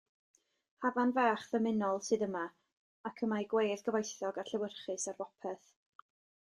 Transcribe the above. Hafan fach ddymunol sydd yma, ac y mae gwedd gyfoethog a llewyrchus ar bopeth.